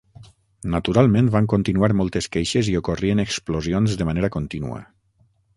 Naturalment van continuar moltes queixes i ocorrien explosions de manera contínua.